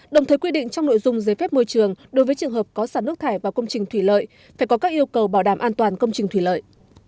đồng thời quy định trong nội dung giấy phép môi trường đối với trường hợp có sản nước thải và công trình thủy lợi phải có các yêu cầu bảo đảm an toàn công trình thủy lợi